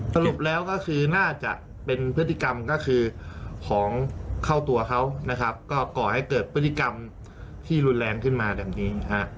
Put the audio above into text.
สรุปแล้วก็คือน่าจะเป็นพฤติกรรมของเข้าตัวเขาก่อให้เกิดพฤติกรรมที่รุนแรงขึ้นมาแบบนี้